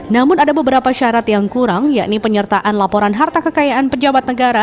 namun ada beberapa syarat yang kurang yakni penyertaan laporan harta kekayaan pejabat negara